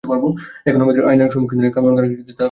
এখন আয়নার সম্মুখে দাঁড়াইয়া কাপড়খানা কিছুতেই তাহার পছন্দ হইল না।